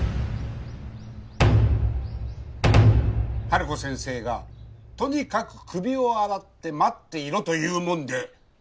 ハルコ先生がとにかく首を洗って待っていろというもんで。